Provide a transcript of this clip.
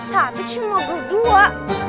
tapi cuma berdua